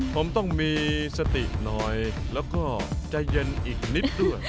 ผมต้องมีสติหน่อยแล้วก็ใจเย็นอีกนิดด้วย